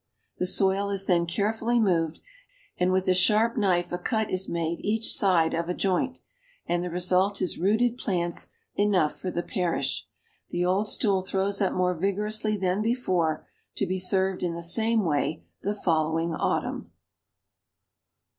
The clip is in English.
The soil is then carefully moved, and with a sharp knife a cut is made each side of a joint, and the result is rooted plants enough for the parish. The old stool throws up more vigorously than before, to be served in the same way the following autumn."